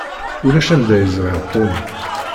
Ulac anda i ẓṛiɣ Tom.